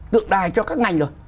tượng đài cho các ngành rồi